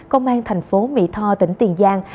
công an thành phố mỹ tho tỉnh tiền giang